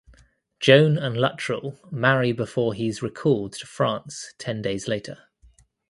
Joan and Luttrell marry before he is recalled to France ten days later.